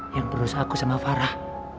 yang terus aku sama farah